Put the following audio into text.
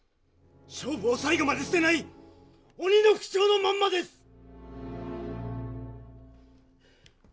勝負を最後まで捨てない鬼の副長のまんまです！